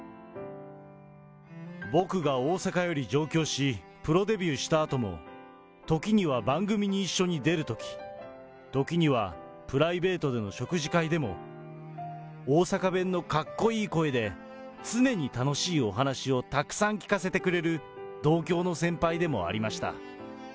僕が大阪より上京し、プロデビューしたあとも、時には番組に一緒に出るとき、時にはプライベートでの食事会でも、大阪弁のかっこいい声で、常に楽しいお話をたくさん聞かせてくれる同郷の先輩でもありました。